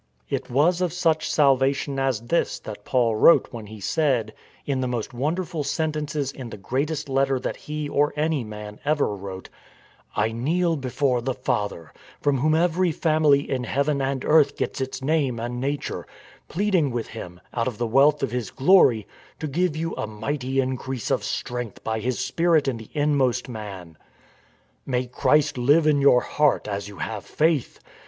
It was of such salvation as this that Paul wrote when he said — in the most wonderful sentences in the greatest letter that he or any man ever wrote :" I kneel before the Father, from whom every family in heaven and earth gets its name and nature, pleading with Him, out of the wealth of His glory, to give you a mighty increase of strength by His Spirit in the inmost man. " May Christ live in your heart as you have faith